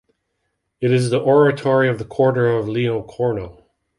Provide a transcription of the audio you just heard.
It is the oratory of the quarter of Leocorno.